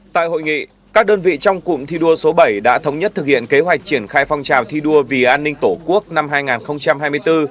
tại hội nghị các đơn vị trong cụm thi đua số bảy đã thống nhất thực hiện kế hoạch triển khai phong trào thi đua vì an ninh tổ quốc năm hai nghìn hai mươi bốn